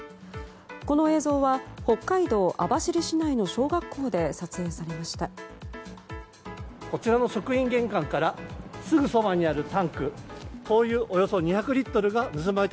この映像は北海道網走市内の小学校で撮影されました。